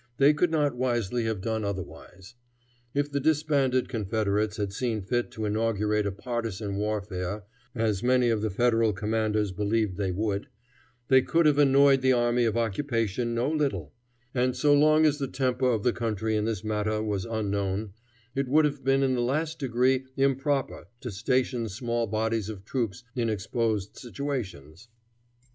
They could not wisely have done otherwise. If the disbanded Confederates had seen fit to inaugurate a partisan warfare, as many of the Federal commanders believed they would, they could have annoyed the army of occupation no little; and so long as the temper of the country in this matter was unknown, it would have been in the last degree improper to station small bodies of troops in exposed situations.